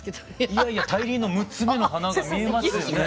いやいや大輪の６つめの花が見えますよね！